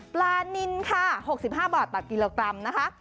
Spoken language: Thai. ปลานินค่ะ๖๕บาทต่อกิโลกรัมนะคะ